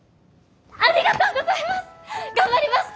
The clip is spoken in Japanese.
ありがとうございます！